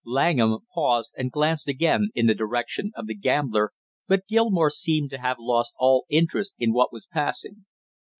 Langham paused and glanced again in the direction of the gambler, but Gilmore seemed to have lost all interest in what was passing.